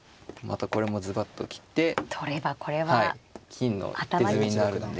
金の一手詰みになるんで。